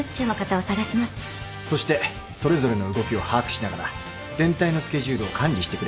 そしてそれぞれの動きを把握しながら全体のスケジュールを管理してくれるのが。